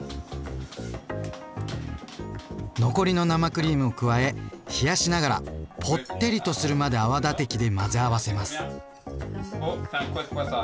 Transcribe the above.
残りの生クリームを加え冷やしながらぽってりとするまで泡立て器で混ぜ合わせます。